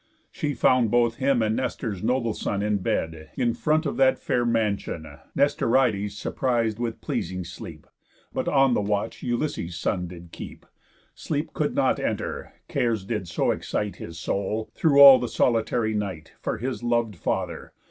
She found both him and Nestor's noble son In bed, in front of that fair mansión, Nestorides surpris'd with pleasing sleep, But on the watch Ulysses' son did keep, Sleep could not enter, cares did so excite His soul, through all the solitary night, For his lov'd father.